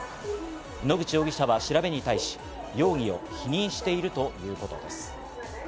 野口容疑者は調べに対し、容疑を否認しているということです。